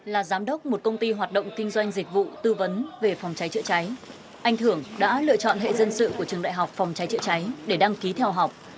là giám đốc một công ty hoạt động kinh doanh dịch vụ tư vấn về phòng cháy chữa cháy anh thưởng đã lựa chọn hệ dân sự của trường đại học phòng cháy chữa cháy để đăng ký theo học